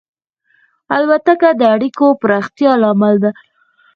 الوتکه د اړیکو پراختیا لامل ده.